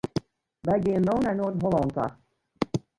Wy gean no nei Noard-Hollân ta.